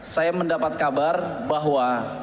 saya mendapat kabar bahwa